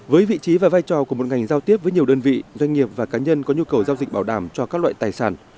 với vị trí và vai trò của một ngành giao tiếp với nhiều đơn vị doanh nghiệp và cá nhân có nhu cầu giao dịch bảo đảm cho các loại tài sản